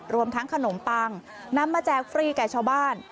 รวมทั้งขนมปังนำมาแจกฟรีแก่ชาวบ้าน